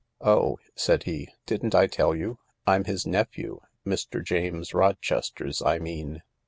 " Oh," said he, " didn't I tell you ? I'm his nephew Mr. James Rochester's, I mean.